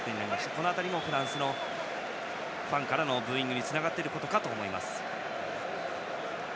この辺りもフランスのファンからのブーイングにつながっていると思います。